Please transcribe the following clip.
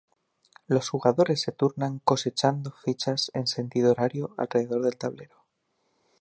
Los jugadores se turnan "cosechando" fichas en sentido horario alrededor del tablero.